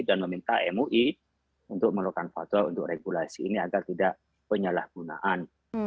meminta mui untuk melakukan fatwa untuk regulasi ini agar tidak penyalahgunaan